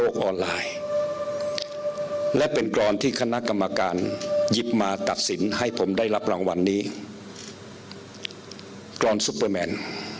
กรอนซุปเปอร์แมน